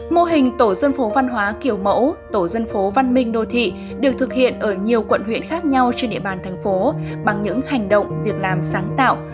mô hình tổ dân phố văn hóa kiểu mẫu tổ dân phố văn minh đô thị được thực hiện ở nhiều quận huyện khác nhau trên địa bàn thành phố bằng những hành động việc làm sáng tạo